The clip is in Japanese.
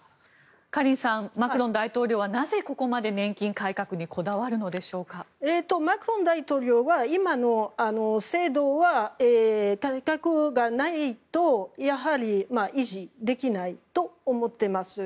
カリンさんマクロン大統領はなぜ、ここまで年金改革にマクロン大統領は今の制度は改革がないとやはり維持できないと思っています。